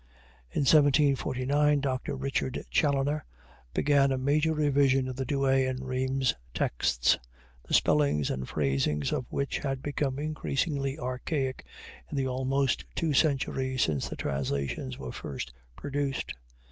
In 1749 Dr. Richard Challoner began a major revision of the Douay and Rheims texts, the spellings and phrasing of which had become increasingly archaic in the almost two centuries since the translations were first produced.